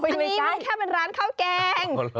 อันนี้มีแค่เป็นร้านข้าวแกง